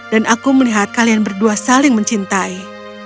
dan aku melihat kalian berdua saling mencintai